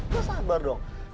lu sabar dong